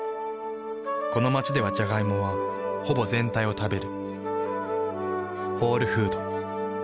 この街ではジャガイモはほぼ全体を食べる。